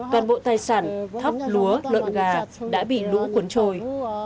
toàn bộ tài sản thóc lúa lợn gà đã bị lũ cuốn trôi